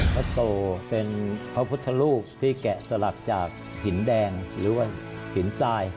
โตเป็นพระพุทธรูปที่แกะสลักจากหินแดงหรือว่าหินทราย